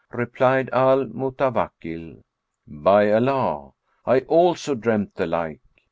Replied Al Mutawakkil, "By Allah, I also dreamt the like!"